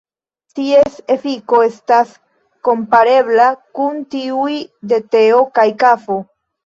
Ties efiko estas komparebla kun tiuj de teo kaj kafo.